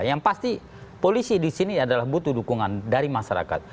yang pasti polisi di sini adalah butuh dukungan dari masyarakat